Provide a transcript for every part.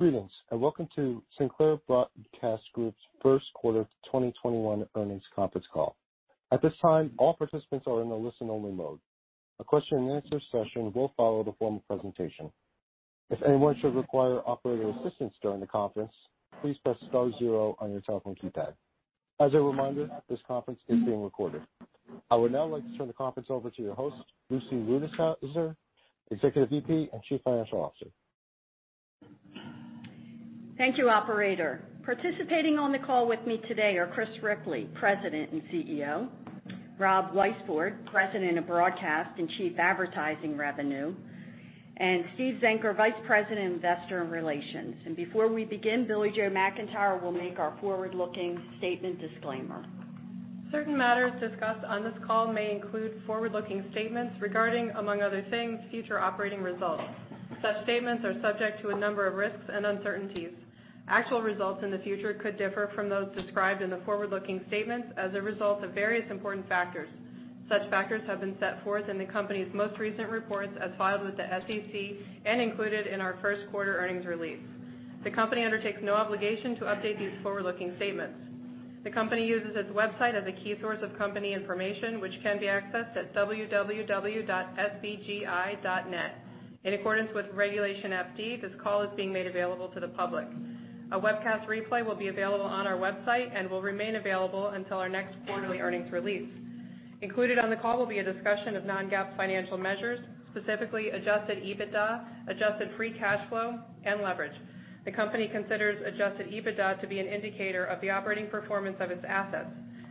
Greetings, and welcome to Sinclair Broadcast Group's first quarter 2021 earnings conference call. At this time, all participants are in a listen-only mode. A question and answer session will follow the formal presentation. If anyone should require operator assistance during the conference, please press star zero on your telephone keypad. As a reminder, this conference is being recorded. I would now like to turn the conference over to your host, Lucy Rutishauser, Executive Vice President and Chief Financial Officer. Thank you, operator. Participating on the call with me today are Chris Ripley, President and CEO, Rob Weisbord, President of Broadcast and Chief Advertising Revenue, and Steve Zenker, Vice President, Investor Relations. Before we begin, Billie Jo McIntire will make our forward-looking statement disclaimer. Certain matters discussed on this call may include forward-looking statements regarding, among other things, future operating results. Such statements are subject to a number of risks and uncertainties. Actual results in the future could differ from those described in the forward-looking statements as a result of various important factors. Such factors have been set forth in the company's most recent reports as filed with the SEC and included in our first quarter earnings release. The company undertakes no obligation to update these forward-looking statements. The company uses its website as a key source of company information, which can be accessed at www.sbgi.net. In accordance with Regulation FD, this call is being made available to the public. A webcast replay will be available on our website and will remain available until our next quarterly earnings release. Included on the call will be a discussion of Non-GAAP financial measures, specifically adjusted EBITDA, adjusted free cash flow, and leverage. The company considers adjusted EBITDA to be an indicator of the operating performance of its assets.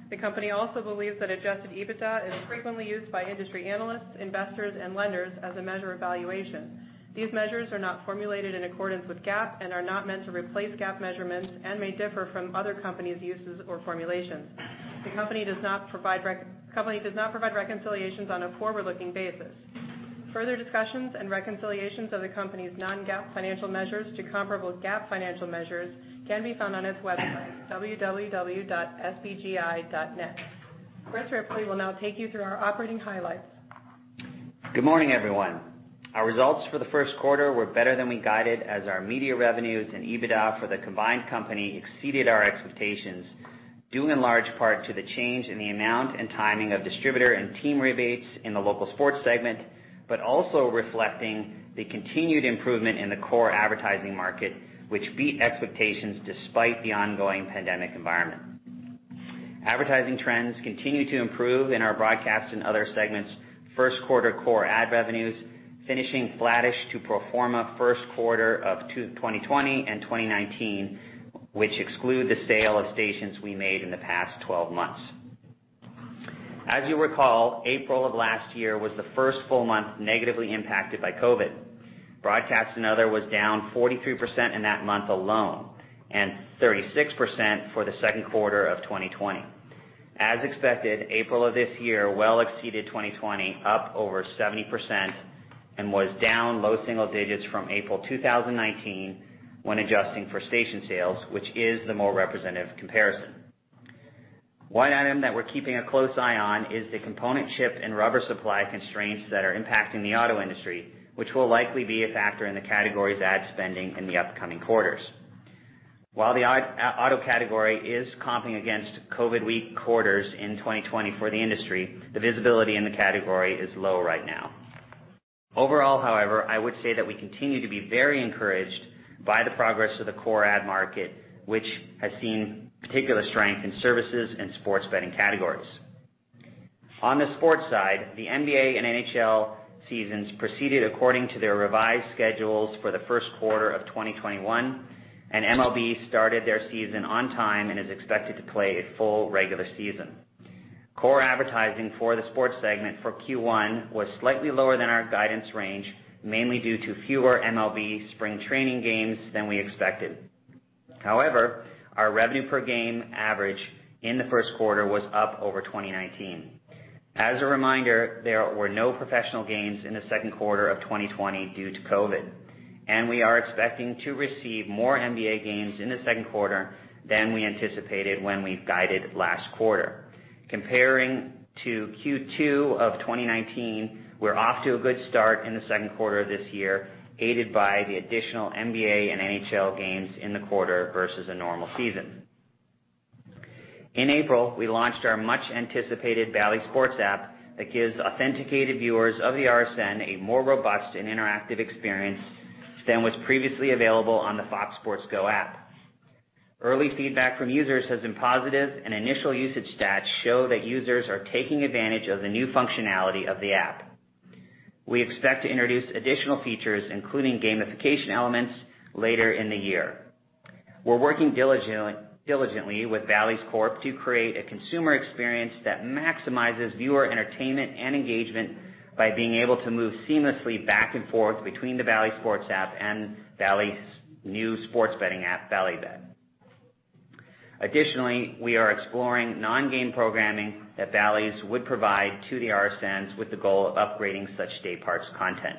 The company also believes that adjusted EBITDA is frequently used by industry analysts, investors, and lenders as a measure of valuation. These measures are not formulated in accordance with GAAP and are not meant to replace GAAP measurements and may differ from other companies' uses or formulations. The company does not provide reconciliations on a forward-looking basis. Further discussions and reconciliations of the company's Non-GAAP financial measures to comparable GAAP financial measures can be found on its website, www.sbgi.net. Chris Ripley will now take you through our operating highlights. Good morning, everyone. Our results for the first quarter were better than we guided as our media revenues and EBITDA for the combined company exceeded our expectations, due in large part to the change in the amount and timing of distributor and team rebates in the local sports segment, but also reflecting the continued improvement in the core advertising market, which beat expectations despite the ongoing pandemic environment. Advertising trends continue to improve in our broadcast and other segments first-quarter core ad revenues, finishing flattish to pro forma first quarter of 2020 and 2019, which exclude the sale of stations we made in the past 12 months. As you recall, April of last year was the first full month negatively impacted by COVID. Broadcast and other was down 43% in that month alone, and 36% for the second quarter of 2020. As expected, April of this year well exceeded 2020, up over 70%, and was down low single digits from April 2019 when adjusting for station sales, which is the more representative comparison. One item that we're keeping a close eye on is the component chip and rubber supply constraints that are impacting the auto industry, which will likely be a factor in the category's ad spending in the upcoming quarters. While the auto category is comping against COVID weak quarters in 2020 for the industry, the visibility in the category is low right now. Overall, however, I would say that we continue to be very encouraged by the progress of the core ad market, which has seen particular strength in services and sports betting categories. On the sports side, the NBA and NHL seasons proceeded according to their revised schedules for the first quarter of 2021. MLB started their season on time and is expected to play a full regular season. Core advertising for the sports segment for Q1 was slightly lower than our guidance range, mainly due to fewer MLB spring training games than we expected. However, our revenue per game average in the first quarter was up over 2019. As a reminder, there were no professional games in the second quarter of 2020 due to COVID. We are expecting to receive more NBA games in the second quarter than we anticipated when we guided last quarter. Comparing to Q2 of 2019, we're off to a good start in the second quarter of this year, aided by the additional NBA and NHL games in the quarter versus a normal season. In April, we launched our much-anticipated Bally Sports app that gives authenticated viewers of the RSN a more robust and interactive experience than was previously available on the Fox Sports Go app. Early feedback from users has been positive, and initial usage stats show that users are taking advantage of the new functionality of the app. We expect to introduce additional features, including gamification elements, later in the year. We're working diligently with Bally's Corporation to create a consumer experience that maximizes viewer entertainment and engagement by being able to move seamlessly back and forth between the Bally Sports app and Bally's new sports betting app, Bally Bet. Additionally, we are exploring non-game programming that Bally's would provide to the RSNs with the goal of upgrading such day parts content.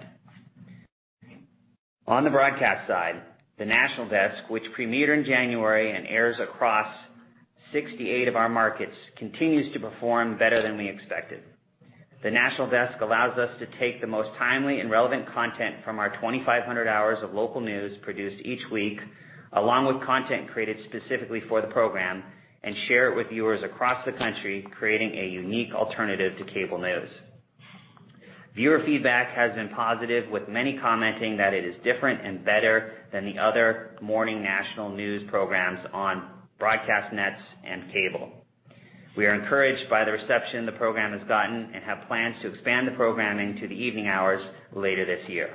On the broadcast side, The National Desk, which premiered in January and airs across 68 of our markets, continues to perform better than we expected. The National Desk allows us to take the most timely and relevant content from our 2,500 hours of local news produced each week, along with content created specifically for the program, and share it with viewers across the country, creating a unique alternative to cable news. Viewer feedback has been positive, with many commenting that it is different and better than the other morning national news programs on broadcast nets and cable. We are encouraged by the reception the program has gotten and have plans to expand the programming to the evening hours later this year.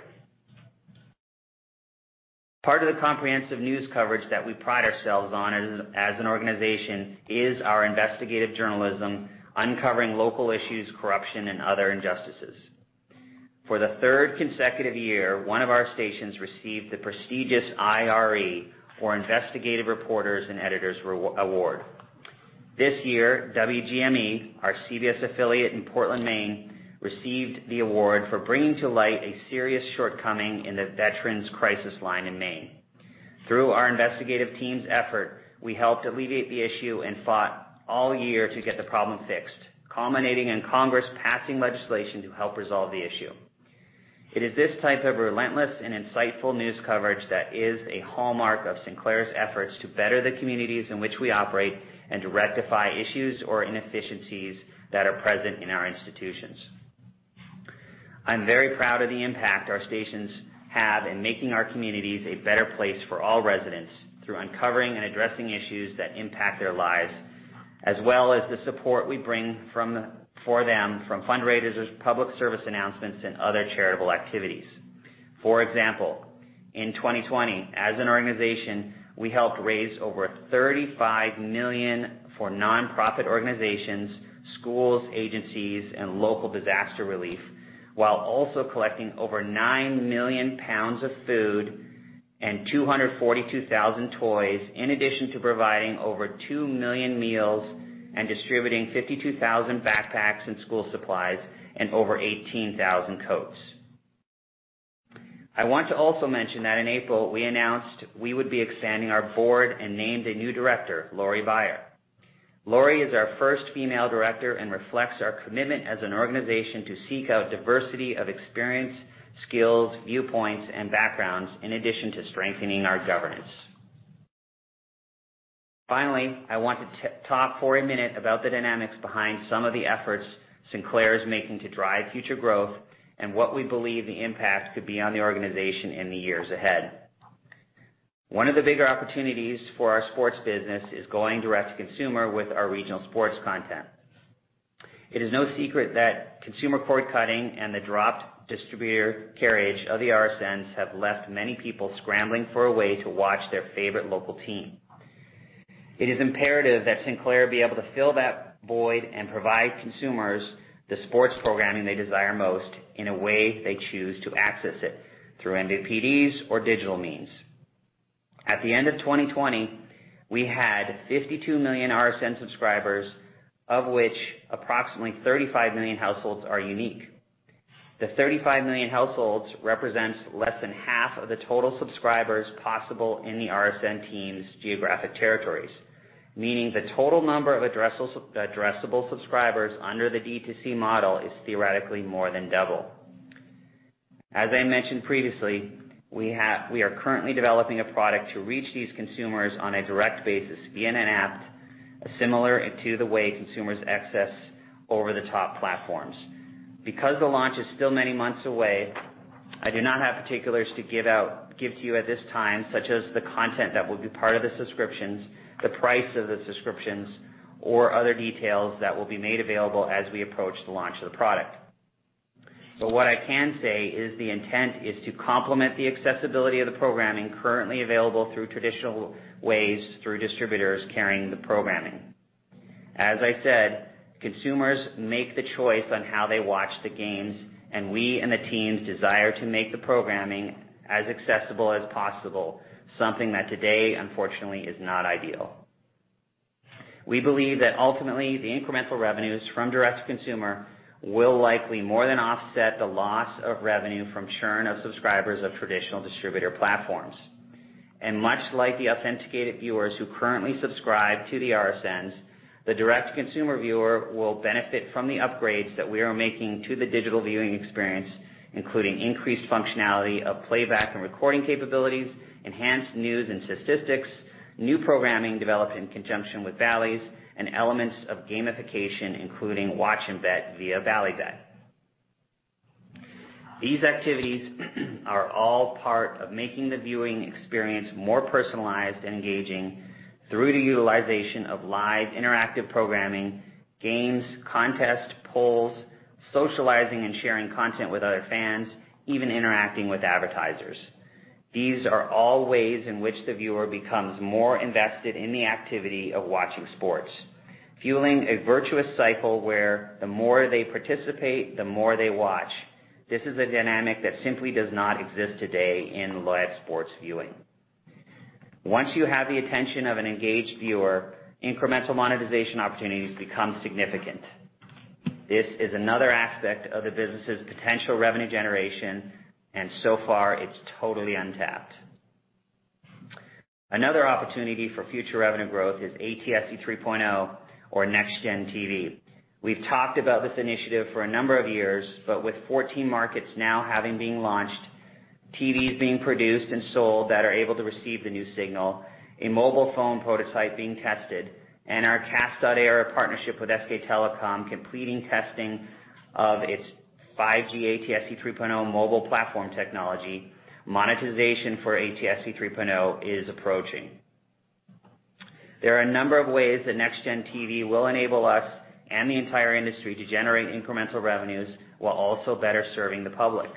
Part of the comprehensive news coverage that we pride ourselves on as an organization is our investigative journalism, uncovering local issues, corruption, and other injustices. For the third consecutive year, one of our stations received the prestigious IRE, or Investigative Reporters and Editors Award. This year, WGME, our CBS affiliate in Portland, Maine, received the award for bringing to light a serious shortcoming in the veterans crisis line in Maine. Through our investigative team's effort, we helped alleviate the issue and fought all year to get the problem fixed, culminating in Congress passing legislation to help resolve the issue. It is this type of relentless and insightful news coverage that is a hallmark of Sinclair's efforts to better the communities in which we operate and to rectify issues or inefficiencies that are present in our institutions. I'm very proud of the impact our stations have in making our communities a better place for all residents through uncovering and addressing issues that impact their lives, as well as the support we bring for them from fundraisers, public service announcements, and other charitable activities. For example, in 2020, as an organization, we helped raise over $35 million for nonprofit organizations, schools, agencies, and local disaster relief, while also collecting over 9 million pounds of food and 242,000 toys, in addition to providing over 2 million meals and distributing 52,000 backpacks and school supplies and over 18,000 coats. I want to also mention that in April, we announced we would be expanding our board and named a new director, Laurie Beyer. Laurie is our first female director and reflects our commitment as an organization to seek out diversity of experience, skills, viewpoints, and backgrounds in addition to strengthening our governance. Finally, I want to talk for a minute about the dynamics behind some of the efforts Sinclair is making to drive future growth and what we believe the impact could be on the organization in the years ahead. One of the bigger opportunities for our sports business is going direct to consumer with our regional sports content. It is no secret that consumer cord cutting and the dropped distributor carriage of the RSNs have left many people scrambling for a way to watch their favorite local team. It is imperative that Sinclair be able to fill that void and provide consumers the sports programming they desire most in a way they choose to access it, through MVPDs or digital means. At the end of 2020, we had 52 million RSN subscribers, of which approximately 35 million households are unique. The 35 million households represents less than half of the total subscribers possible in the RSN team's geographic territories, meaning the total number of addressable subscribers under the D2C model is theoretically more than double. As I mentioned previously, we are currently developing a product to reach these consumers on a direct basis via an app, similar to the way consumers access over-the-top platforms. Because the launch is still many months away, I do not have particulars to give to you at this time, such as the content that will be part of the subscriptions, the price of the subscriptions, or other details that will be made available as we approach the launch of the product. What I can say is the intent is to complement the accessibility of the programming currently available through traditional ways, through distributors carrying the programming. As I said, consumers make the choice on how they watch the games, and we and the teams desire to make the programming as accessible as possible, something that today, unfortunately, is not ideal. We believe that ultimately, the incremental revenues from D2C will likely more than offset the loss of revenue from churn of subscribers of traditional distributor platforms. Much like the authenticated viewers who currently subscribe to the RSNs, the D2C viewer will benefit from the upgrades that we are making to the digital viewing experience, including increased functionality of playback and recording capabilities, enhanced news and statistics, new programming developed in conjunction with Bally's, and elements of gamification, including watch and bet via Bally Bet. These activities are all part of making the viewing experience more personalized and engaging through the utilization of live interactive programming, games, contests, polls, socializing, and sharing content with other fans, even interacting with advertisers. These are all ways in which the viewer becomes more invested in the activity of watching sports, fueling a virtuous cycle where the more they participate, the more they watch. This is a dynamic that simply does not exist today in live sports viewing. Once you have the attention of an engaged viewer, incremental monetization opportunities become significant. This is another aspect of the business's potential revenue generation, and so far, it's totally untapped. Another opportunity for future revenue growth is ATSC 3.0 or NEXTGEN TV. We've talked about this initiative for a number of years, with 14 markets now having been launched, TVs being produced and sold that are able to receive the new signal, a mobile phone prototype being tested, and our CAST.ERA partnership with SK Telecom completing testing of its 5G ATSC 3.0 mobile platform technology, monetization for ATSC 3.0 is approaching. There are a number of ways that NEXTGEN TV will enable us and the entire industry to generate incremental revenues while also better serving the public.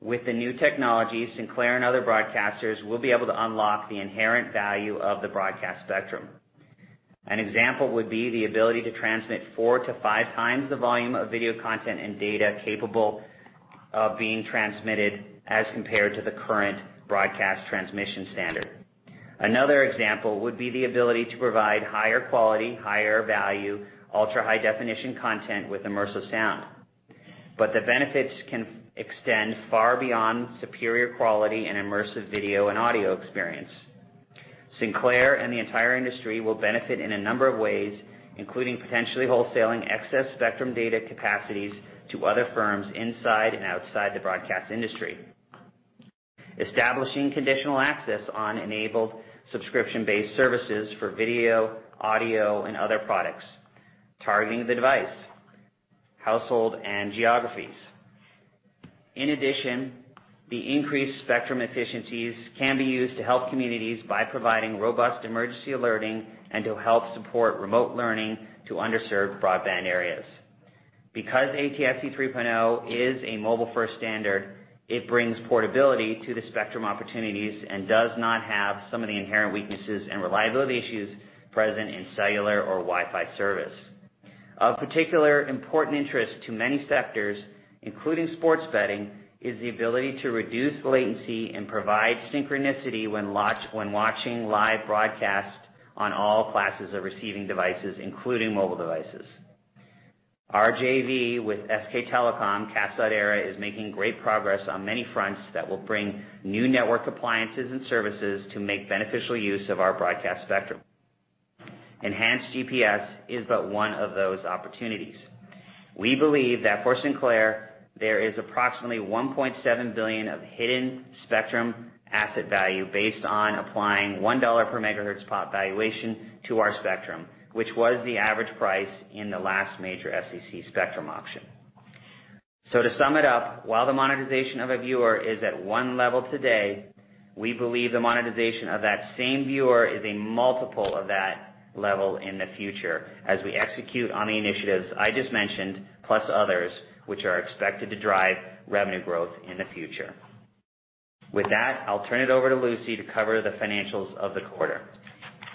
With the new technology, Sinclair and other broadcasters will be able to unlock the inherent value of the broadcast spectrum. An example would be the ability to transmit four to five times the volume of video content and data capable of being transmitted as compared to the current broadcast transmission standard. Another example would be the ability to provide higher quality, higher value, ultra high-definition content with immersive sound. The benefits can extend far beyond superior quality and immersive video and audio experience. Sinclair and the entire industry will benefit in a number of ways, including potentially wholesaling excess spectrum data capacities to other firms inside and outside the broadcast industry, establishing conditional access on enabled subscription-based services for video, audio, and other products, targeting the device, household, and geographies. In addition, the increased spectrum efficiencies can be used to help communities by providing robust emergency alerting and to help support remote learning to underserved broadband areas. Because ATSC 3.0 is a mobile-first standard, it brings portability to the spectrum opportunities and does not have some of the inherent weaknesses and reliability issues present in cellular or Wi-Fi service. Of particular important interest to many sectors, including sports betting, is the ability to reduce latency and provide synchronicity when watching live broadcast on all classes of receiving devices, including mobile devices. Our JV with SK Telecom, CAST.ERA, is making great progress on many fronts that will bring new network appliances and services to make beneficial use of our broadcast spectrum. Enhanced GPS is but one of those opportunities. We believe that for Sinclair, there is approximately $1.7 billion of hidden spectrum asset value based on applying $1 per megahertz pop valuation to our spectrum, which was the average price in the last major FCC spectrum auction. To sum it up, while the monetization of a viewer is at one level today, we believe the monetization of that same viewer is a multiple of that level in the future as we execute on the initiatives I just mentioned, plus others, which are expected to drive revenue growth in the future. With that, I'll turn it over to Lucy to cover the financials of the quarter.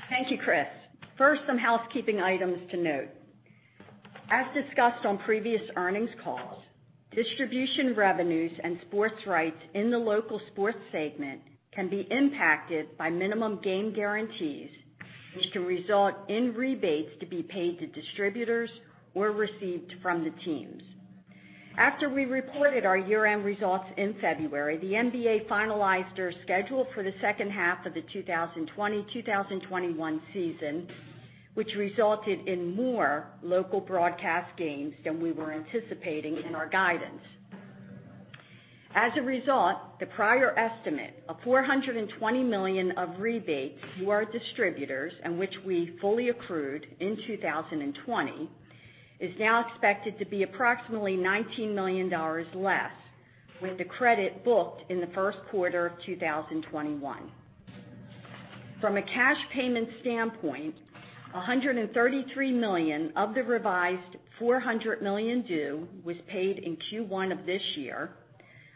Thank you, Chris. First, some housekeeping items to note. As discussed on previous earnings calls, distribution revenues and sports rights in the local sports segment can be impacted by minimum game guarantees, which can result in rebates to be paid to distributors or received from the teams. After we reported our year-end results in February, the NBA finalized their schedule for the second half of the 2020-2021 season, which resulted in more local broadcast games than we were anticipating in our guidance. As a result, the prior estimate of $420 million of rebates to our distributors, and which we fully accrued in 2020, is now expected to be approximately $19 million less, with the credit booked in the first quarter of 2021. From a cash payment standpoint, $133 million of the revised $400 million due was paid in Q1 of this year.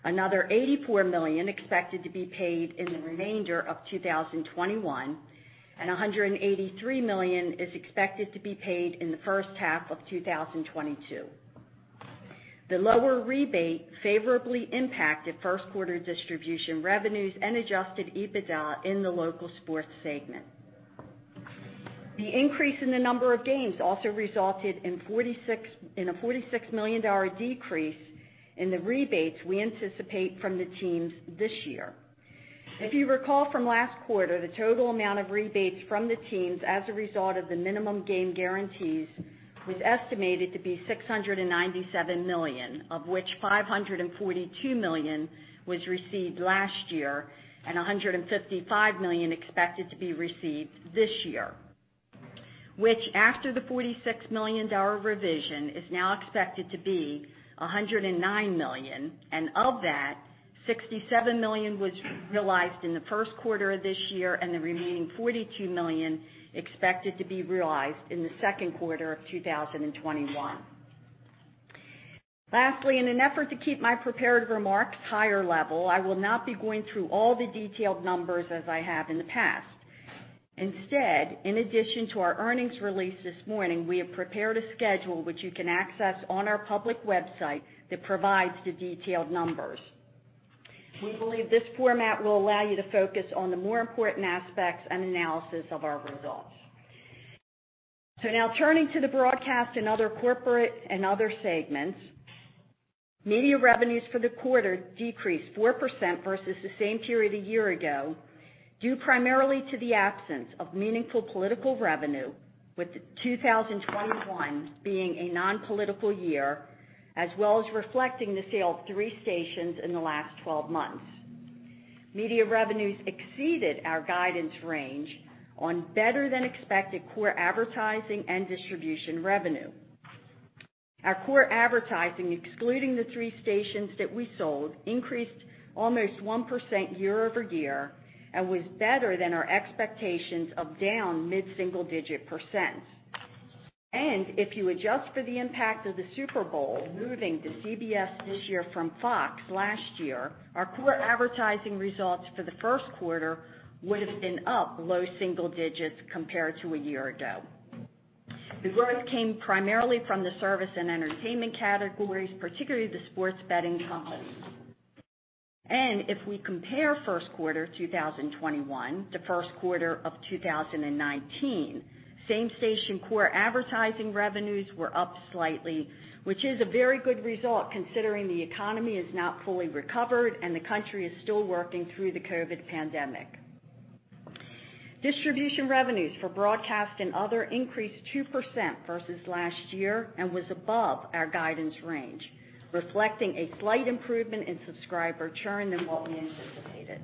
Another $84 million expected to be paid in the remainder of 2021, and $183 million is expected to be paid in the first half of 2022. The lower rebate favorably impacted first quarter distribution revenues and adjusted EBITDA in the local sports segment. The increase in the number of games also resulted in a $46 million decrease in the rebates we anticipate from the teams this year. If you recall from last quarter, the total amount of rebates from the teams as a result of the minimum game guarantees was estimated to be $697 million, of which $542 million was received last year, and $155 million expected to be received this year, which after the $46 million revision, is now expected to be $109 million, and of that, $67 million was realized in the first quarter of this year, and the remaining $42 million expected to be realized in the second quarter of 2021. Lastly, in an effort to keep my prepared remarks higher level, I will not be going through all the detailed numbers as I have in the past. Instead, in addition to our earnings release this morning, we have prepared a schedule which you can access on our public website that provides the detailed numbers. We believe this format will allow you to focus on the more important aspects and analysis of our results. Now turning to the broadcast and other corporate and other segments. Media revenues for the quarter decreased 4% versus the same period a year ago, due primarily to the absence of meaningful political revenue, with 2021 being a non-political year, as well as reflecting the sale of three stations in the last 12 months. Media revenues exceeded our guidance range on better than expected core advertising and distribution revenue. Our core advertising, excluding the three stations that we sold, increased almost 1% year-over-year and was better than our expectations of down mid-single digit %. If you adjust for the impact of the Super Bowl moving to CBS this year from Fox last year, our core advertising results for the first quarter would've been up low single digits compared to a year ago. The growth came primarily from the service and entertainment categories, particularly the sports betting companies. If we compare Q1 2021-Q1 of 2019, same-station core advertising revenues were up slightly, which is a very good result considering the economy is not fully recovered and the country is still working through the COVID pandemic. Distribution revenues for broadcast and other increased 2% versus last year and was above our guidance range, reflecting a slight improvement in subscriber churn than what we anticipated.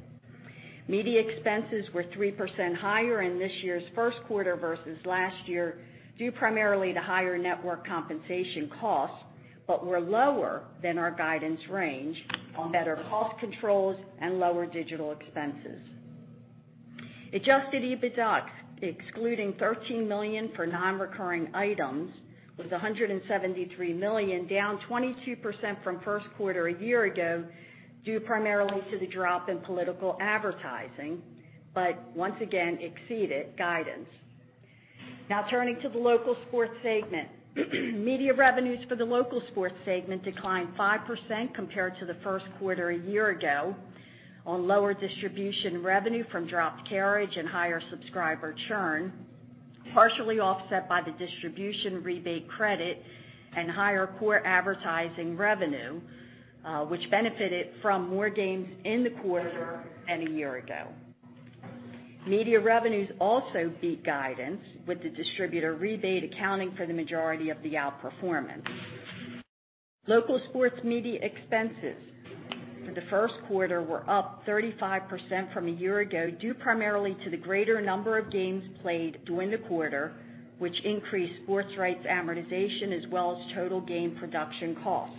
Media expenses were 3% higher in this year's first quarter versus last year, due primarily to higher network compensation costs, but were lower than our guidance range on better cost controls and lower digital expenses. Adjusted EBITDA, excluding $13 million for non-recurring items, was $173 million, down 22% from first quarter a year ago, due primarily to the drop in political advertising, but once again, exceeded guidance. Turning to the local sports segment. Media revenues for the local sports segment declined 5% compared to the first quarter a year ago on lower distribution revenue from dropped carriage and higher subscriber churn, partially offset by the distribution rebate credit and higher core advertising revenue, which benefited from more games in the quarter than a year ago. Media revenues also beat guidance with the distributor rebate accounting for the majority of the outperformance. Local sports media expenses for the first quarter were up 35% from a year ago, due primarily to the greater number of games played during the quarter, which increased sports rights amortization as well as total game production costs.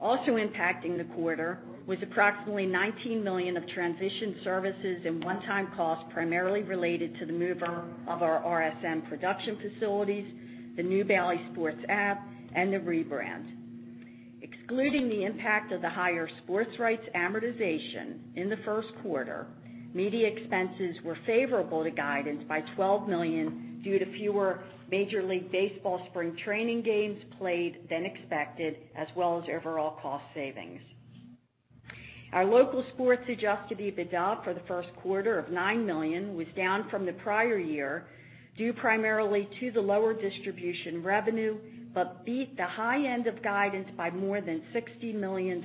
Also impacting the quarter was approximately $19 million of transition services and one-time costs primarily related to the mover of our RSN production facilities, the new Bally Sports app, and the rebrand. Excluding the impact of the higher sports rights amortization in the first quarter, media expenses were favorable to guidance by $12 million due to fewer Major League Baseball spring training games played than expected, as well as overall cost savings. Our local sports adjusted EBITDA for the first quarter of $9 million was down from the prior year, due primarily to the lower distribution revenue, but beat the high end of guidance by more than $60 million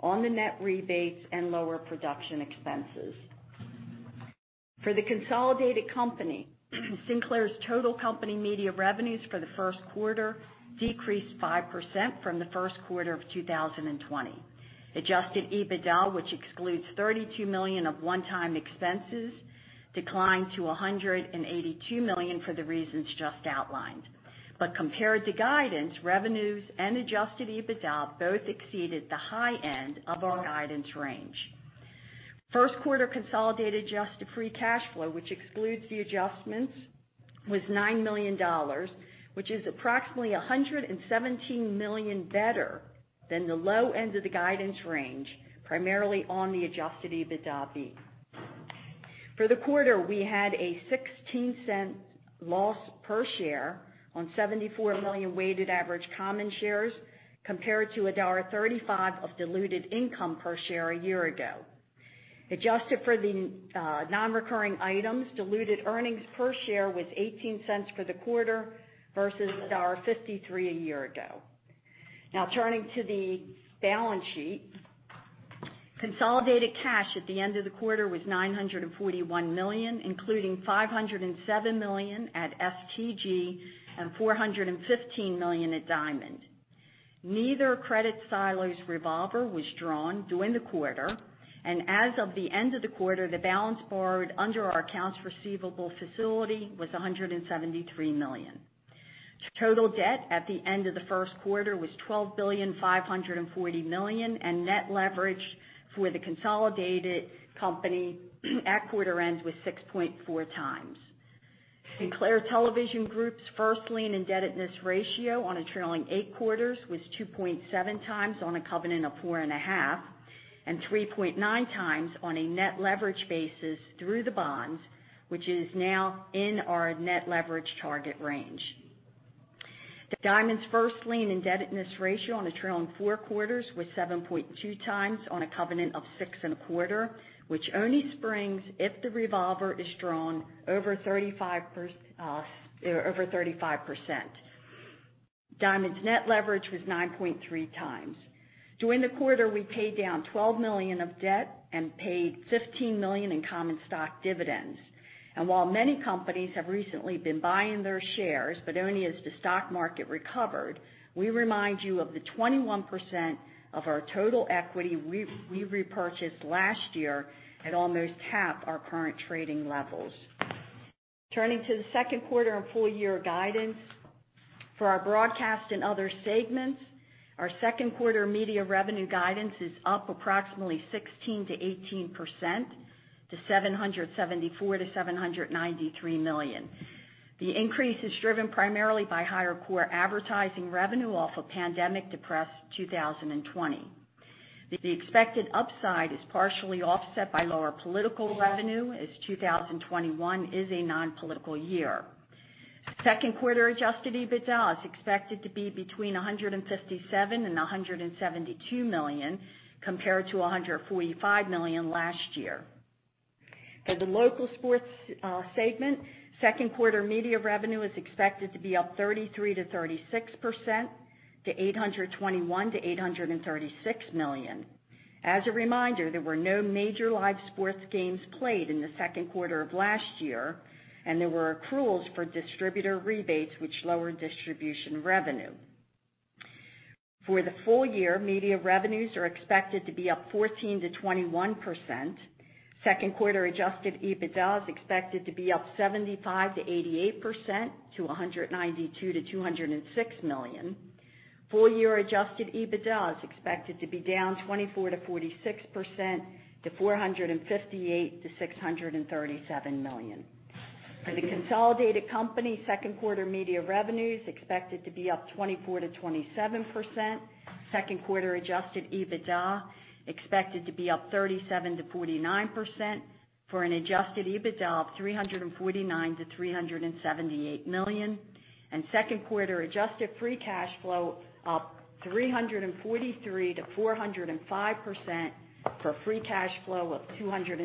on the net rebates and lower production expenses. For the consolidated company, Sinclair's total company media revenues for the first quarter decreased 5% from the first quarter of 2020. Adjusted EBITDA, which excludes $32 million of one-time expenses, declined to $182 million for the reasons just outlined. Compared to guidance, revenues and adjusted EBITDA both exceeded the high end of our guidance range. First quarter consolidated adjusted free cash flow, which excludes the adjustments, was $9 million, which is approximately $117 million better than the low end of the guidance range, primarily on the adjusted EBITDA beat. For the quarter, we had a $0.16 loss per share on 74 million weighted average common shares, compared to $1.35 of diluted income per share a year ago. Adjusted for the non-recurring items, diluted earnings per share was $0.18 for the quarter versus $1.53 a year ago. Turning to the balance sheet. Consolidated cash at the end of the quarter was $941 million, including $507 million at STG and $415 million at Diamond. Neither credit silos revolver was drawn during the quarter, and as of the end of the quarter, the balance borrowed under our accounts receivable facility was $173 million. Total debt at the end of the first quarter was $12.54 billion, and net leverage for the consolidated company at quarter end was 6.4 times. Sinclair Television Group's first lien indebtedness ratio on a trailing eight quarters was 2.7 times on a covenant of 4.5, and 3.9 times on a net leverage basis through the bonds, which is now in our net leverage target range. Diamond's first lien indebtedness ratio on a trailing four quarters was 7.2 times on a covenant of 6.25, which only springs if the revolver is drawn over 35%. Diamond's net leverage was 9.3 times. During the quarter, we paid down $12 million of debt and paid $15 million in common stock dividends. While many companies have recently been buying their shares, but only as the stock market recovered, we remind you of the 21% of our total equity we repurchased last year at almost half our current trading levels. Turning to the second quarter and full year guidance. For our broadcast and other segments, our second quarter media revenue guidance is up approximately 16%-18%, to $774 million-$793 million. The increase is driven primarily by higher core advertising revenue off of pandemic-depressed 2020. The expected upside is partially offset by lower political revenue, as 2021 is a non-political year. Second quarter adjusted EBITDA is expected to be between $157 million and $172 million, compared to $145 million last year. For the local sports segment, second quarter media revenue is expected to be up 33%-36%, to $821 million-$836 million. As a reminder, there were no major live sports games played in the second quarter of last year, and there were accruals for distributor rebates, which lowered distribution revenue. For the full year, media revenues are expected to be up 14%-21%. Second quarter adjusted EBITDA is expected to be up 75%-88%, to $192 million-$206 million. Full year adjusted EBITDA is expected to be down 24%-46%, to $458 million-$637 million. For the consolidated company, second quarter media revenues expected to be up 24%-27%. Second quarter adjusted EBITDA expected to be up 37%-49%, for an adjusted EBITDA of $349 million-$378 million. Second quarter adjusted free cash flow up 343%-405%, for free cash flow of $206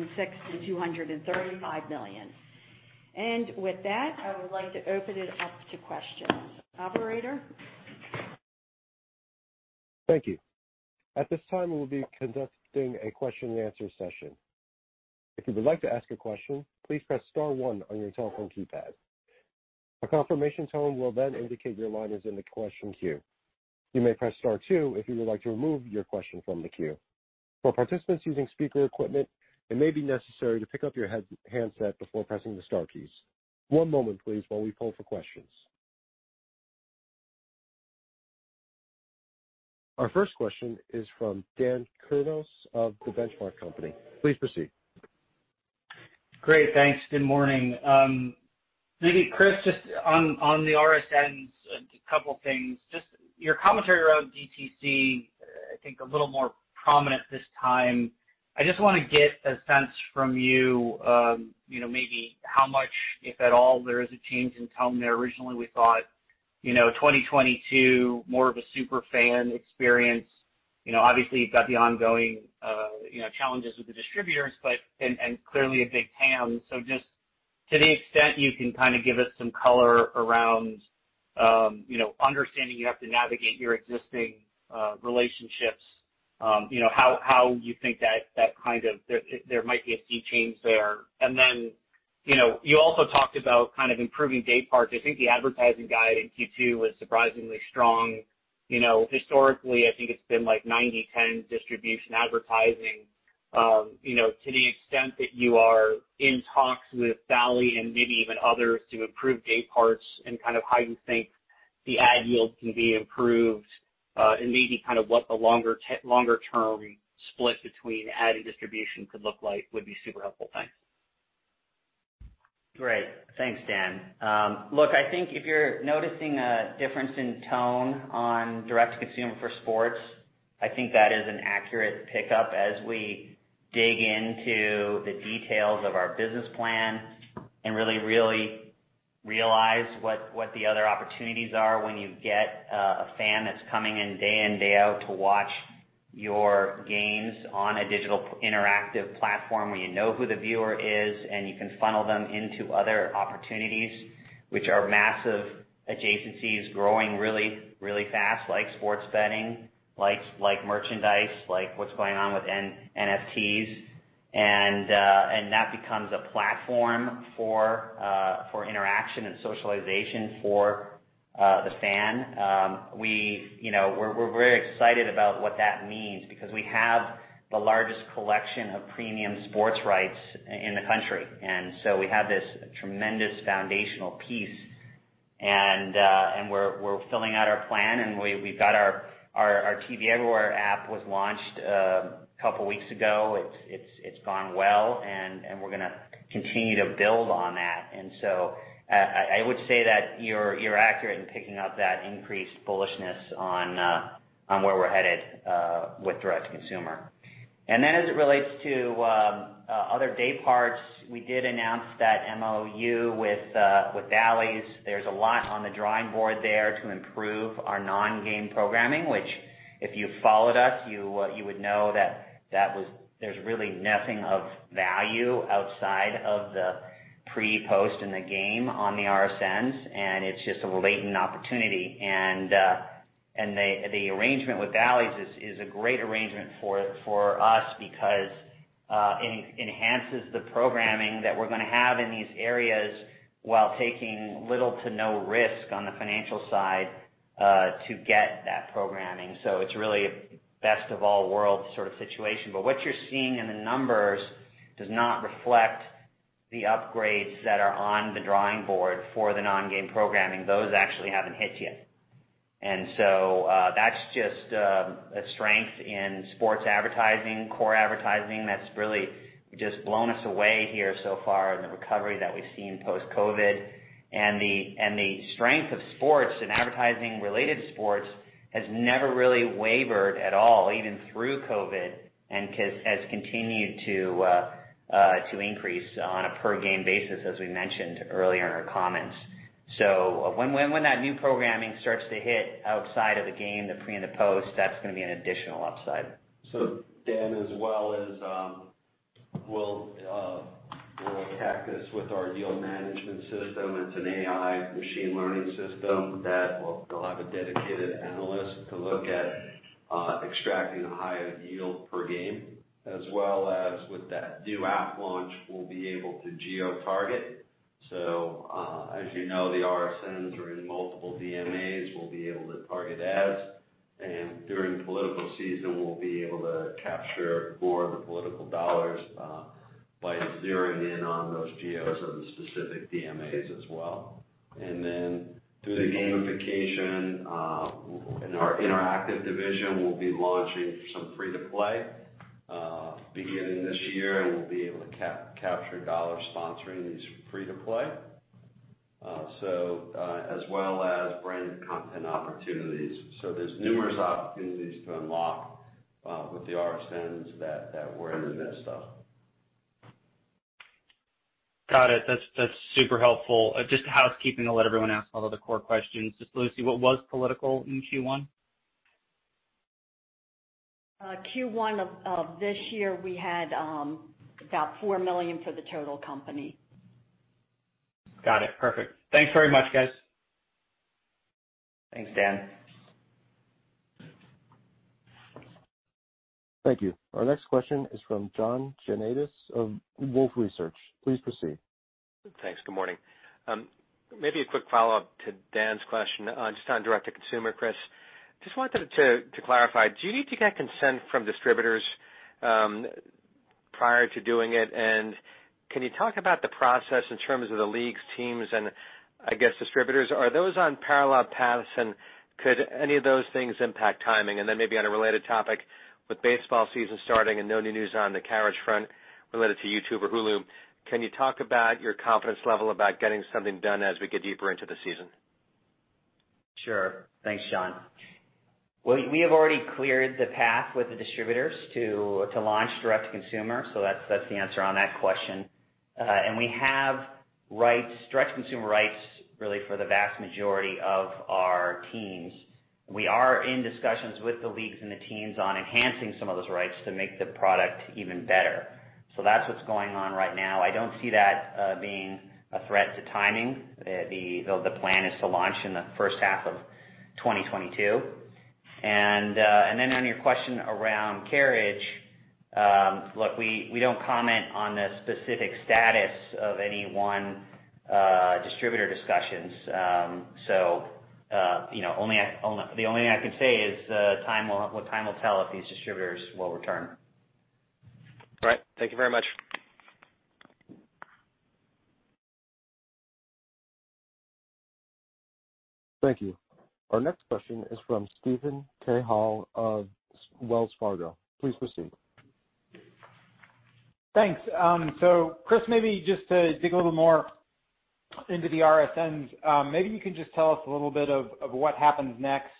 million-$235 million. With that, I would like to open it up to questions. Operator? Our first question is from Dan Kurnos of The Benchmark Company. Please proceed. Great. Thanks. Good morning. Maybe Chris, just on the RSNs, a couple of things. Just your commentary around DTC, I think a little more prominent this time. I just want to get a sense from you maybe how much, if at all, there is a change in tone there. Originally, we thought 2022, more of a super fan experience. Obviously, you've got the ongoing challenges with the distributors, and clearly a big fan. Just to the extent you can kind of give us some color around understanding you have to navigate your existing relationships, how you think that there might be a key change there. You also talked about kind of improving day parts. I think the advertising guide in Q2 was surprisingly strong. Historically, I think it's been like 90/10 distribution advertising. To the extent that you are in talks with Bally and maybe even others to improve day parts and kind of how you think the ad yield can be improved and maybe kind of what the longer-term split between ad and distribution could look like would be super helpful. Thanks. Great. Thanks, Dan. Look, I think if you're noticing a difference in tone on direct consumer for sports, I think that is an accurate pickup as we dig into the details of our business plan and really realize what the other opportunities are when you get a fan that's coming in day in, day out to watch your games on a digital interactive platform where you know who the viewer is, and you can funnel them into other opportunities, which are massive adjacencies growing really fast, like sports betting, like merchandise, like what's going on with NFTs. That becomes a platform for interaction and socialization for the fan. We're very excited about what that means because we have the largest collection of premium sports rights in the country. We have this tremendous foundational piece, and we're filling out our plan, and our TV Everywhere app was launched a couple of weeks ago. It's gone well, and we're going to continue to build on that. I would say that you're accurate in picking up that increased bullishness on On where we're headed with direct-to-consumer. As it relates to other day parts, we did announce that MOU with Bally's. There's a lot on the drawing board there to improve our non-game programming, which, if you followed us, you would know that there's really nothing of value outside of the pre, post, and the game on the RSNs, and it's just a latent opportunity. The arrangement with Bally's is a great arrangement for us because it enhances the programming that we're going to have in these areas while taking little to no risk on the financial side to get that programming. It's really best of all worlds sort of situation. What you're seeing in the numbers does not reflect the upgrades that are on the drawing board for the non-game programming. Those actually haven't hit yet. That's just a strength in sports advertising, core advertising that's really just blown us away here so far in the recovery that we've seen post-COVID. The strength of sports and advertising related to sports has never really wavered at all, even through COVID, and has continued to increase on a per-game basis, as we mentioned earlier in our comments. When that new programming starts to hit outside of the game, the pre and the post, that's going to be an additional upside. Dan, as well as we'll attack this with our yield management system. It's an AI machine learning system that will have a dedicated analyst to look at extracting a higher yield per game, as well as with that new app launch, we'll be able to geotarget. As you know, the RSNs are in multiple DMAs. We'll be able to target ads, and during political season, we'll be able to capture more of the political dollars by zeroing in on those geos of the specific DMAs as well. Through the gamification in our interactive division, we'll be launching some free-to-play beginning this year, and we'll be able to capture dollars sponsoring these free-to-play. As well as branded content opportunities. There's numerous opportunities to unlock with the RSNs that were in the midst of. Got it. That's super helpful. Just housekeeping to let everyone ask all of the core questions. Just Lucy, what was political in Q1? Q1 of this year, we had about $4 million for the total company. Got it. Perfect. Thanks very much, guys. Thanks, Dan. Thank you. Our next question is from John Janedis of Wolfe Research. Please proceed. Thanks. Good morning. Maybe a quick follow-up to Dan's question on direct-to-consumer, Chris. Just wanted to clarify, do you need to get consent from distributors prior to doing it? Can you talk about the process in terms of the leagues, teams, and I guess distributors? Are those on parallel paths, and could any of those things impact timing? Maybe on a related topic, with baseball season starting and no new news on the carriage front related to YouTube or Hulu, can you talk about your confidence level about getting something done as we get deeper into the season? Sure. Thanks, John. Well, we have already cleared the path with the distributors to launch direct-to-consumer, that's the answer on that question. We have direct-to-consumer rights really for the vast majority of our teams. We are in discussions with the leagues and the teams on enhancing some of those rights to make the product even better. That's what's going on right now. I don't see that being a threat to timing. The plan is to launch in the first half of 2022. On your question around carriage, look, we don't comment on the specific status of any one distributor discussions. The only thing I can say is time will tell if these distributors will return. Right. Thank you very much. Thank you. Our next question is from Steven Cahall of Wells Fargo. Please proceed. Thanks. Chris, maybe just to dig a little more into the RSNs. Maybe you can just tell us a little bit of what happens next.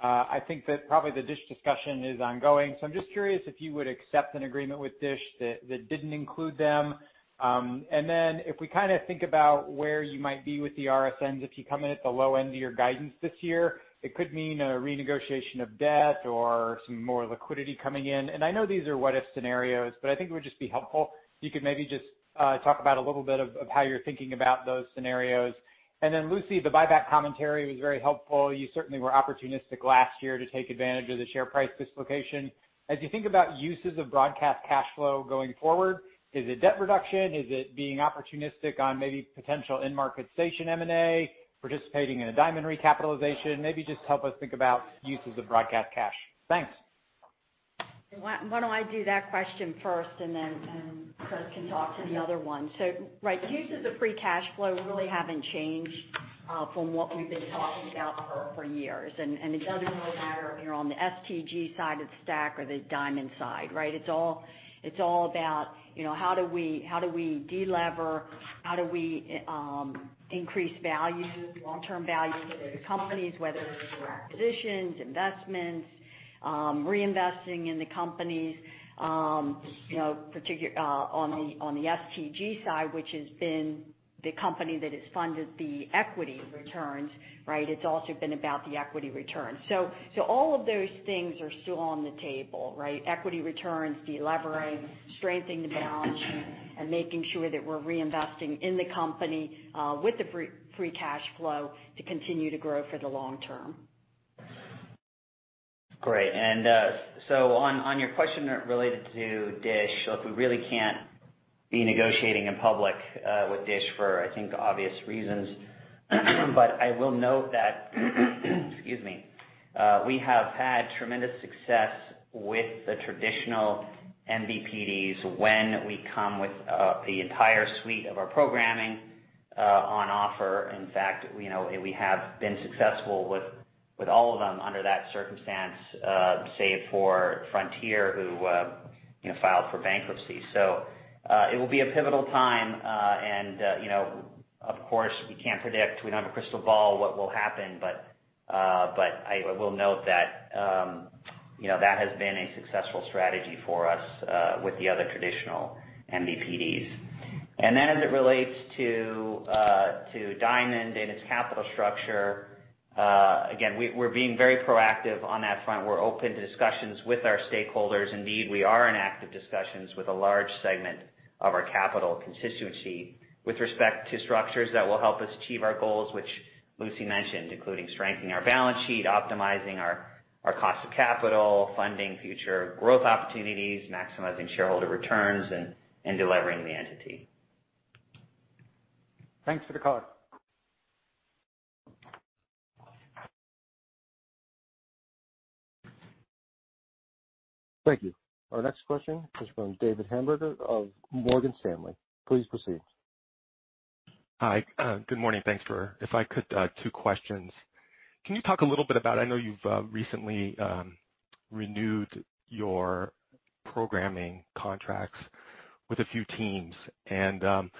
I think that probably the Dish discussion is ongoing. I'm just curious if you would accept an agreement with Dish that didn't include them. If we kind of think about where you might be with the RSNs, if you come in at the low end of your guidance this year, it could mean a renegotiation of debt or some more liquidity coming in. I know these are what if scenarios, I think it would just be helpful if you could maybe just talk about a little bit of how you're thinking about those scenarios. Lucy, the buyback commentary was very helpful. You certainly were opportunistic last year to take advantage of the share price dislocation. As you think about uses of broadcast cash flow going forward, is it debt reduction? Is it being opportunistic on maybe potential end market station M&A, participating in a Diamond recapitalization? Maybe just help us think about uses of broadcast cash. Thanks. Why don't I do that question first and then Chris can talk to the other one. Right, uses of free cash flow really haven't changed from what we've been talking about for years. It doesn't really matter if you're on the STG side of the stack or the Diamond side, right? It's all about how do we de-lever, how do we increase long-term value for the companies, whether it's through acquisitions, investments, reinvesting in the companies. On the STG side, which has been the company that has funded the equity returns, it's also been about the equity returns. All of those things are still on the table. Equity returns, de-levering, strengthening the balance sheet, and making sure that we're reinvesting in the company with the free cash flow to continue to grow for the long term. Great. On your question related to Dish, look, we really can't be negotiating in public with Dish for I think obvious reasons. I will note that we have had tremendous success with the traditional MVPDs when we come with the entire suite of our programming on offer. In fact, we have been successful with all of them under that circumstance, save for Frontier, who filed for bankruptcy. It will be a pivotal time, and of course, we can't predict, we don't have a crystal ball what will happen, but I will note that has been a successful strategy for us with the other traditional MVPDs. As it relates to Diamond and its capital structure, again, we're being very proactive on that front. We're open to discussions with our stakeholders. Indeed, we are in active discussions with a large segment of our capital constituency with respect to structures that will help us achieve our goals, which Lucy mentioned, including strengthening our balance sheet, optimizing our cost of capital, funding future growth opportunities, maximizing shareholder returns, and de-levering the entity. Thanks for the color. Thank you. Our next question is from David Hamburger of Morgan Stanley. Please proceed. Hi. Good morning. If I could, two questions. Can you talk a little bit about, I know you've recently renewed your programming contracts with a few teams and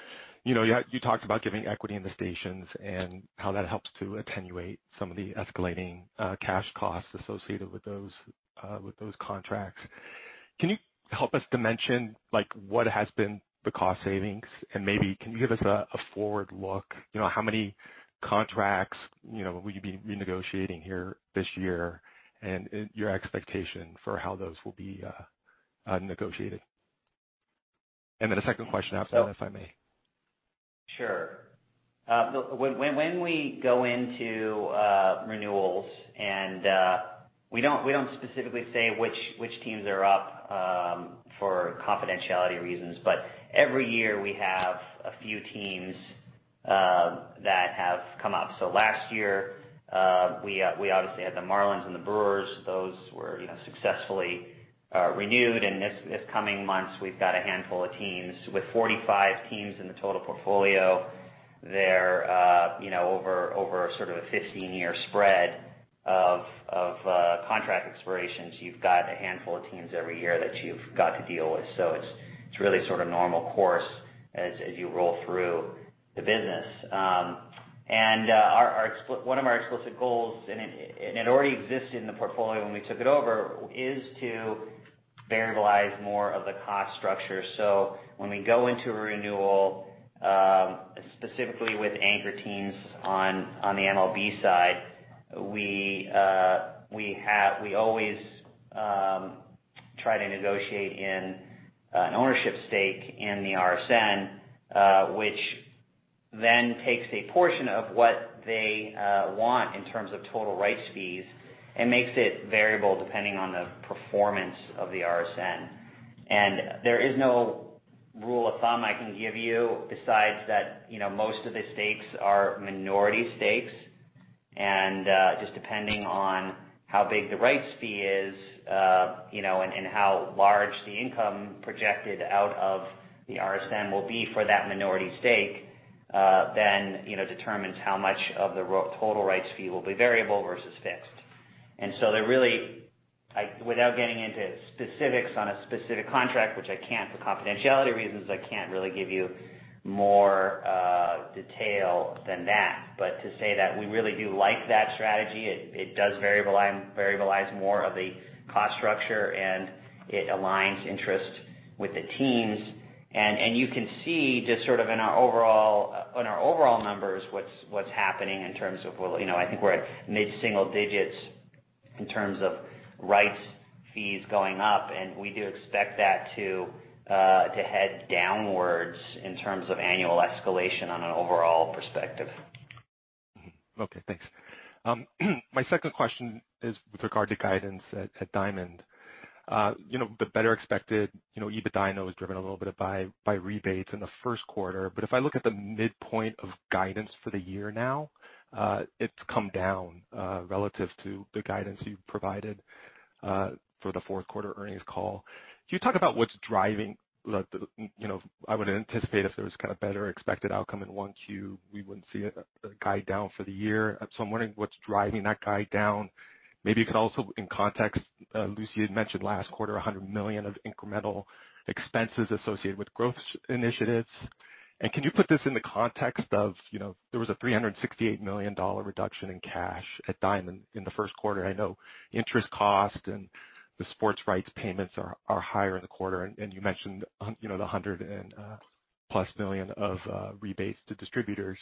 you talked about giving equity in the stations and how that helps to attenuate some of the escalating cash costs associated with those contracts. Can you help us dimension like what has been the cost savings and maybe can you give us a forward look, how many contracts will you be renegotiating here this year and your expectation for how those will be negotiated? A second question after that, if I may. Sure. When we go into renewals and we don't specifically say which teams are up for confidentiality reasons, but every year we have a few teams that have come up. Last year, we obviously had the Marlins and the Brewers. Those were successfully renewed. This coming months, we've got a handful of teams. With 45 teams in the total portfolio, they're over sort of a 15-year spread of contract expirations. You've got a handful of teams every year that you've got to deal with. It's really sort of normal course as you roll through the business. One of our explicit goals, and it already existed in the portfolio when we took it over, is to variabilize more of the cost structure. When we go into a renewal, specifically with anchor teams on the MLB side, we always try to negotiate in an ownership stake in the RSN, which then takes a portion of what they want in terms of total rights fees and makes it variable depending on the performance of the RSN. There is no rule of thumb I can give you besides that most of the stakes are minority stakes and, just depending on how big the rights fee is, and how large the income projected out of the RSN will be for that minority stake, then determines how much of the total rights fee will be variable versus fixed. Without getting into specifics on a specific contract, which I can't, for confidentiality reasons, I can't really give you more detail than that. To say that we really do like that strategy, it does variabilize more of the cost structure, and it aligns interest with the teams. You can see just sort of in our overall numbers, what's happening in terms of, well, I think we're at mid-single digits in terms of rights fees going up, and we do expect that to head downwards in terms of annual escalation on an overall perspective. Okay, thanks. My second question is with regard to guidance at Diamond. The better expected EBITDA, I know, is driven a little bit by rebates in the first quarter, but if I look at the midpoint of guidance for the year now, it's come down relative to the guidance you provided for the fourth quarter earnings call. Can you talk about what's driving I would anticipate if there was kind of better expected outcome in Q1, we wouldn't see a guide down for the year. I'm wondering what's driving that guide down. Maybe you could also, in context, Lucy had mentioned last quarter, $100 million of incremental expenses associated with growth initiatives. Can you put this in the context of, there was a $368 million reduction in cash at Diamond in the first quarter. I know interest cost and the sports rights payments are higher in the quarter, and you mentioned, the $100 and plus million of rebates to distributors.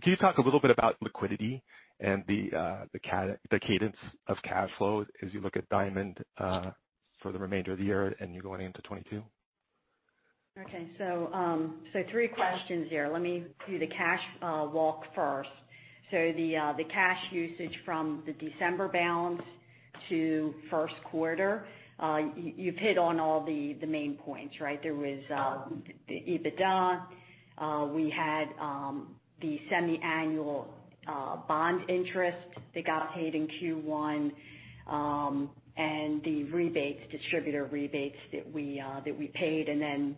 Can you talk a little bit about liquidity and the cadence of cash flow as you look at Diamond for the remainder of the year and going into 2022? Okay. Three questions there. Let me do the cash walk first. The cash usage from the December balance to first quarter, you've hit on all the main points, right? There was the EBITDA. We had the semi-annual bond interest that got paid in Q1, and the distributor rebates that we paid, and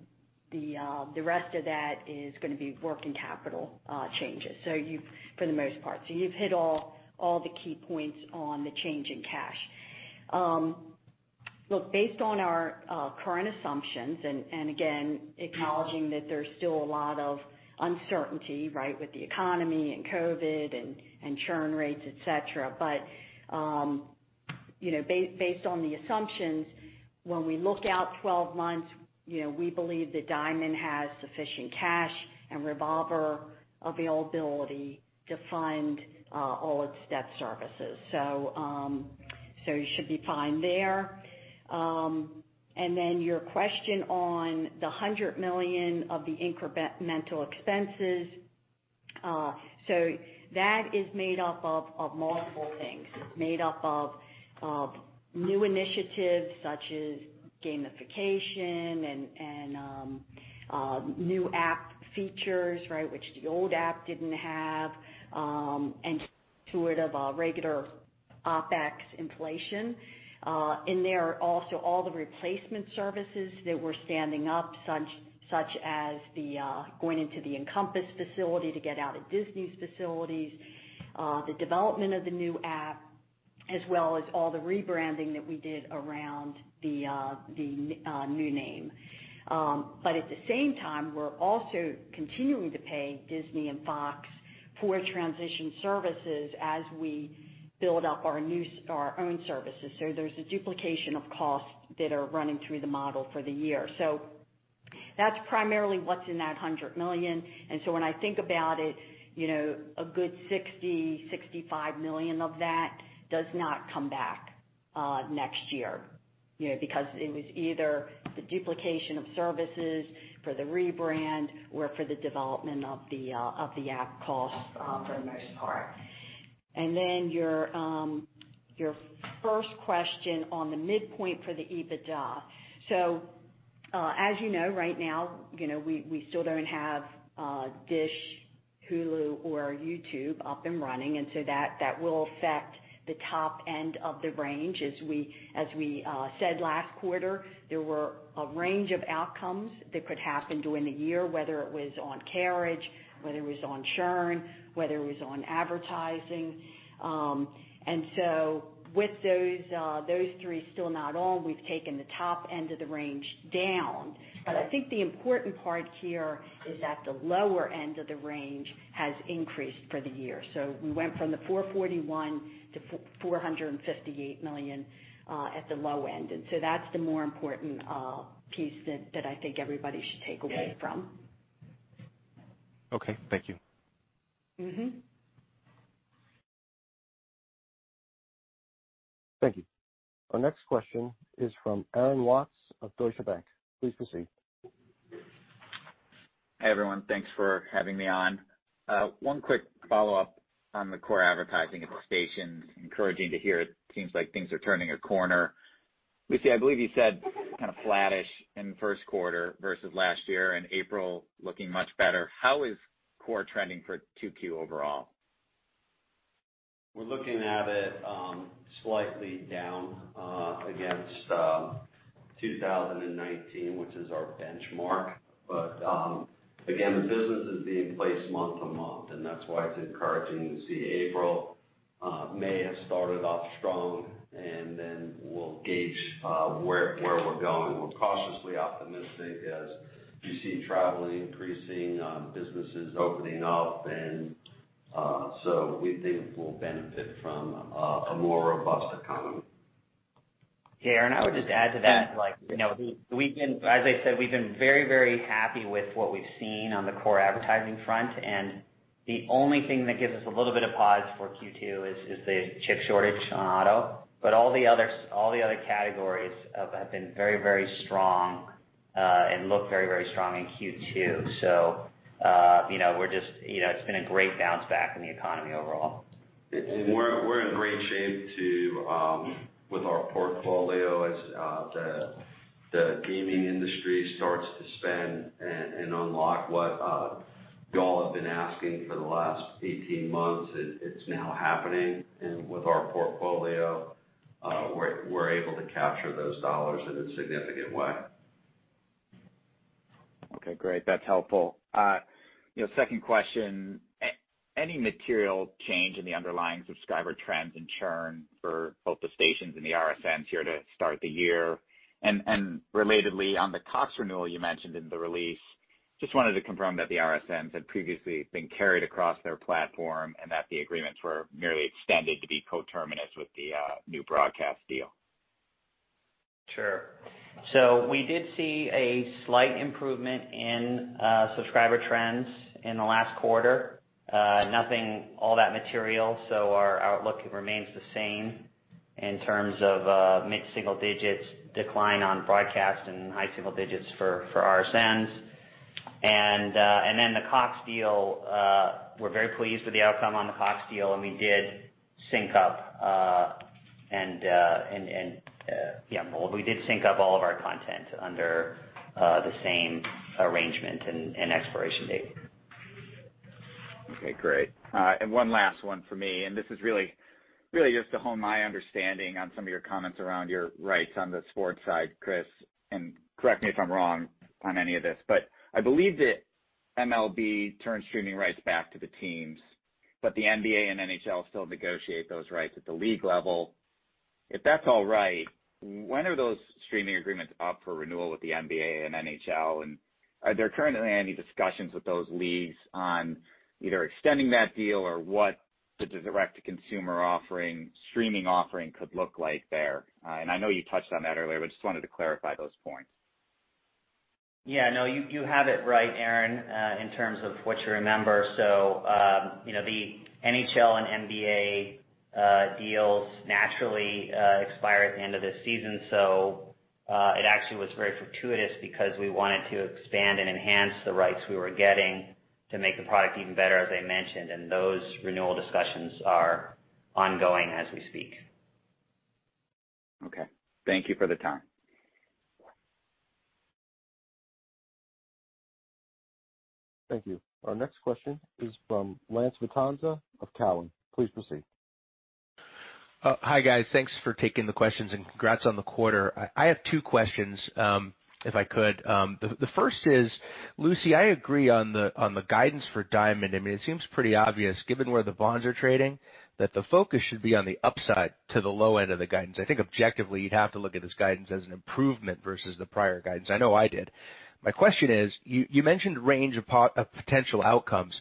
the rest of that is going to be working capital changes. You've, for the most part, hit all the key points on the change in cash. Based on our current assumptions and, again, acknowledging that there's still a lot of uncertainty, with the economy and COVID and churn rates, et cetera. Based on the assumptions, when we look out 12 months, we believe that Diamond has sufficient cash and revolver availability to fund all its debt services. You should be fine there. Your question on the $100 million of the incremental expenses. That is made up of multiple things. It's made up of new initiatives such as gamification and new app features, which the old app didn't have, and sort of a regular OpEx inflation. In there are also all the replacement services that we're standing up, such as going into the Encompass facility to get out of Disney's facilities, the development of the new app, as well as all the rebranding that we did around the new name. At the same time, we're also continuing to pay Disney and Fox for transition services as we build up our own services. There's a duplication of costs that are running through the model for the year. That's primarily what's in that $100 million. When I think about it, a good $60 million-$65 million of that does not come back next year. Because it was either the duplication of services for the rebrand or for the development of the app cost for the most part. Your first question on the midpoint for the EBITDA. As you know, right now, we still don't have Dish, Hulu, or YouTube up and running. That will affect the top end of the range. As we said last quarter, there were a range of outcomes that could happen during the year, whether it was on carriage, whether it was on churn, whether it was on advertising. With those three still not on, we've taken the top end of the range down. I think the important part here is that the lower end of the range has increased for the year. We went from the $441 million-$458 million at the low end. That's the more important piece that I think everybody should take away from. Okay. Thank you. Thank you. Our next question is from Aaron Watts of Deutsche Bank. Please proceed. Hey, everyone. Thanks for having me on. One quick follow-up on the core advertising of the stations. Encouraging to hear it seems like things are turning a corner. Lucy, I believe you said kind of flattish in the first quarter versus last year, and April looking much better. How is core trending for Q2 overall? We're looking at it slightly down against 2019, which is our benchmark. Again, the business is being placed month-to-month, and that's why it's encouraging to see April, May has started off strong, and then we'll gauge where we're going. We're cautiously optimistic as you see traveling increasing, businesses opening up. So we think we'll benefit from a more robust economy. Yeah, Aaron, I would just add to that, as I said, we've been very happy with what we've seen on the core advertising front. The only thing that gives us a little bit of pause for Q2 is the chip shortage on auto. All the other categories have been very strong, and look very strong in Q2. It's been a great bounce back in the economy overall. We're in great shape too with our portfolio as the gaming industry starts to spend and unlock what you all have been asking for the last 18 months. It's now happening. With our portfolio, we're able to capture those dollars in a significant way. Okay, great. That's helpful. Second question. Any material change in the underlying subscriber trends and churn for both the stations and the RSNs here to start the year? Relatedly, on the Cox renewal you mentioned in the release, just wanted to confirm that the RSNs had previously been carried across their platform, and that the agreements were merely extended to be coterminous with the new broadcast deal. Sure. We did see a slight improvement in subscriber trends in the last quarter. Nothing all that material. Our outlook remains the same in terms of mid-single-digits decline on broadcast and high-single-digits for RSNs. The Cox deal, we're very pleased with the outcome on the Cox deal, and we did sync up all of our content under the same arrangement and expiration date. Okay, great. One last one for me, and this is really just to hone my understanding on some of your comments around your rights on the sports side, Chris, and correct me if I'm wrong on any of this. I believe that MLB turned streaming rights back to the teams, but the NBA and NHL still negotiate those rights at the league level. If that's all right, when are those streaming agreements up for renewal with the NBA and NHL? Are there currently any discussions with those leagues on either extending that deal or what the direct-to-consumer streaming offering could look like there? I know you touched on that earlier, but just wanted to clarify those points. Yeah, no, you have it right, Aaron, in terms of what you remember. The NHL and NBA deals naturally expire at the end of this season. It actually was very fortuitous because we wanted to expand and enhance the rights we were getting to make the product even better, as I mentioned, and those renewal discussions are ongoing as we speak. Okay. Thank you for the time. Thank you. Our next question is from Lance Vitanza of Cowen. Please proceed. Hi, guys. Thanks for taking the questions and congrats on the quarter. I have two questions, if I could. The first is, Lucy, I agree on the guidance for Diamond. It seems pretty obvious, given where the bonds are trading, that the focus should be on the upside to the low end of the guidance. I think objectively, you'd have to look at this guidance as an improvement versus the prior guidance. I know I did. My question is, you mentioned range of potential outcomes.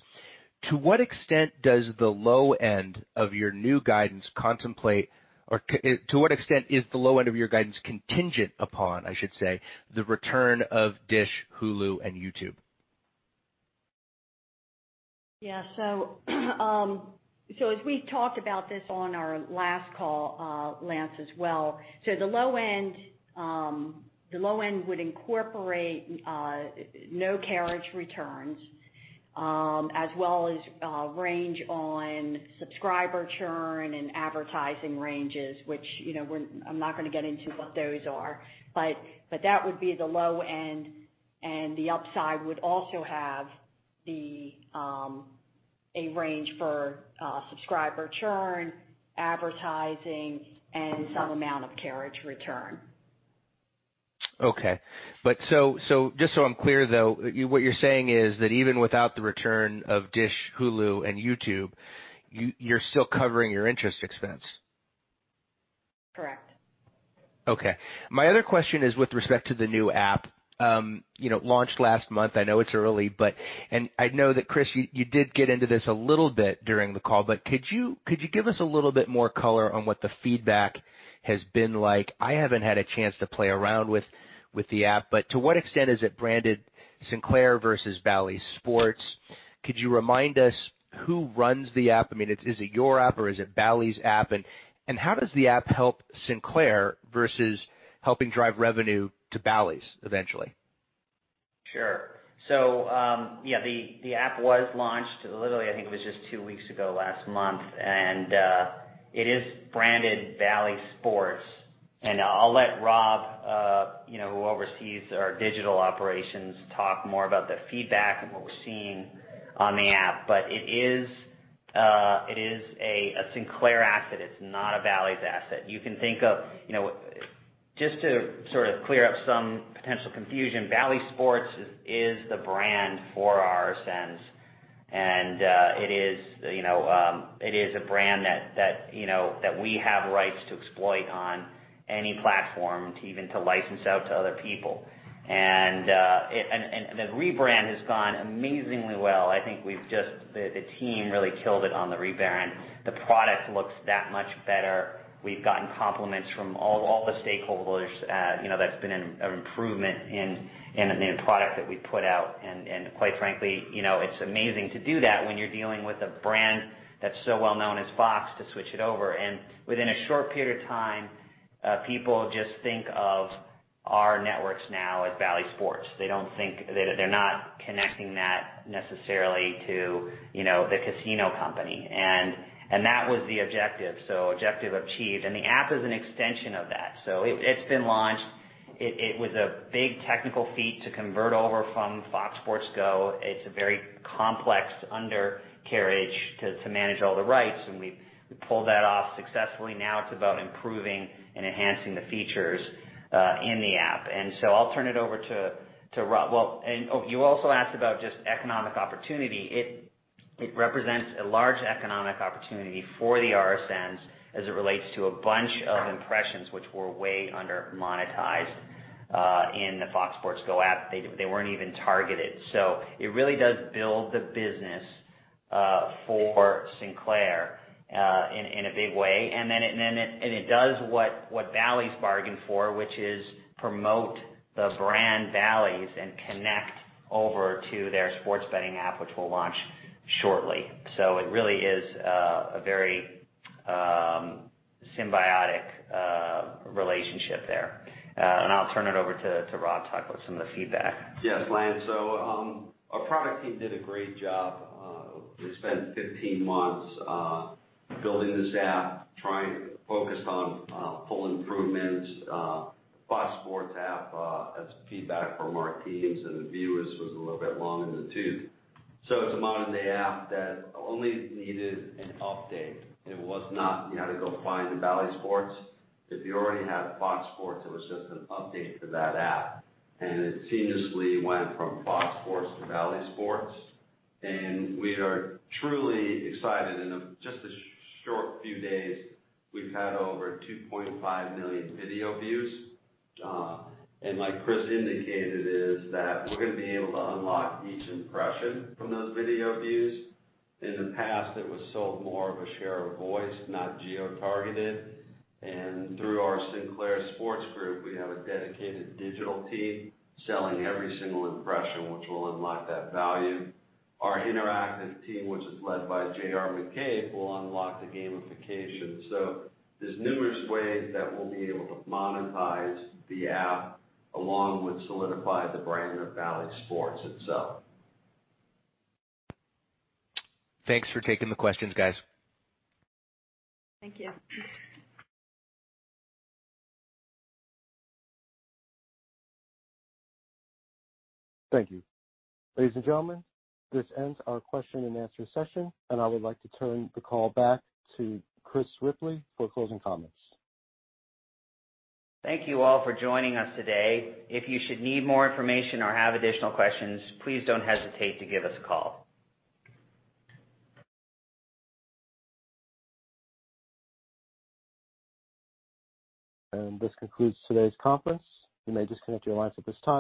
To what extent does the low end of your new guidance contemplate or to what extent is the low end of your guidance contingent upon, I should say, the return of Dish, Hulu, and YouTube? Yeah. As we talked about this on our last call, Lance, as well, so the low end would incorporate no carriage returns, as well as range on subscriber churn and advertising ranges, which I'm not going to get into what those are. That would be the low end, and the upside would also have a range for subscriber churn, advertising, and some amount of carriage return. Okay. Just so I'm clear, though, what you're saying is that even without the return of Dish, Hulu, and YouTube, you're still covering your interest expense? Correct. Okay. My other question is with respect to the new app, launched last month. I know it's early. I know that, Chris, you did get into this a little bit during the call, but could you give us a little bit more color on what the feedback has been like? I haven't had a chance to play around with the app. To what extent is it branded Sinclair versus Bally Sports? Could you remind us who runs the app? Is it your app or is it Bally's app? How does the app help Sinclair versus helping drive revenue to Bally's eventually? Sure. Yeah, the app was launched literally, I think it was just two weeks ago last month, it is branded Bally Sports. I'll let Rob, who oversees our digital operations, talk more about the feedback and what we're seeing on the app. It is a Sinclair asset. It's not a Bally's asset. Just to sort of clear up some potential confusion, Bally Sports is the brand for RSN, and it is a brand that we have rights to exploit on any platform to even license out to other people. The rebrand has gone amazingly well. I think the team really killed it on the rebrand. The product looks that much better. We've gotten compliments from all the stakeholders that's been an improvement in the product that we put out. Quite frankly, it's amazing to do that when you're dealing with a brand that's so well-known as Fox to switch it over. Within a short period of time, people just think of our networks now as Bally Sports. They're not connecting that necessarily to the casino company. That was the objective. Objective achieved. The app is an extension of that. It's been launched. It was a big technical feat to convert over from Fox Sports Go. It's a very complex undercarriage to manage all the rights, and we pulled that off successfully. Now it's about improving and enhancing the features in the app. I'll turn it over to Rob. Well, you also asked about just economic opportunity. It represents a large economic opportunity for the RSNs as it relates to a bunch of impressions which were way under-monetized in the Fox Sports Go app. They weren't even targeted. It really does build the business for Sinclair in a big way. It does what Bally's bargained for, which is promote the brand Bally's and connect over to their sports betting app, which will launch shortly. It really is a very symbiotic relationship there. I'll turn it over to Rob to talk about some of the feedback. Yes, Lance. Our product team did a great job. We spent 15 months building this app, trying to focus on full improvements. Fox Sports app has feedback from our teams, and the viewers was a little bit long in the tooth. It's a modern-day app that only needed an update. It was not you had to go find the Bally Sports. If you already had Fox Sports, it was just an update to that app, and it seamlessly went from Fox Sports to Bally Sports. We are truly excited. In just a short few days, we've had over 2.5 million video views. Like Chris indicated, is that we're going to be able to unlock each impression from those video views. In the past, it was sold more of a share of voice, not geo-targeted. Through our Sinclair Sports Group, we have a dedicated digital team selling every single impression, which will unlock that value. Our interactive team, which is led by J.R. McCabe, will unlock the gamification. There's numerous ways that we'll be able to monetize the app along with solidify the brand of Bally Sports itself. Thanks for taking the questions, guys. Thank you. Thank you. Ladies and gentlemen, this ends our question and answer session, and I would like to turn the call back to Chris Ripley for closing comments. Thank you all for joining us today. If you should need more information or have additional questions, please don't hesitate to give us a call. This concludes today's conference. You may disconnect your lines at this time.